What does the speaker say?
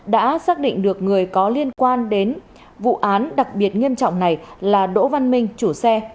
đã xác định được người có liên quan đến vụ án đặc biệt nghiêm trọng này là đỗ văn minh chủ xe